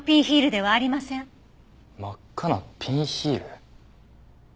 真っ赤なピンヒール。